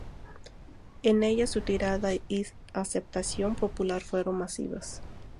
En ellas su tirada y aceptación popular fueron masivas.